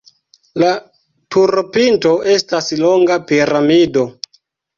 La turopinto estas longa piramido.